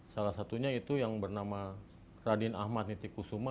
salah satunya itu yang bernama radin ahmad niti kusuma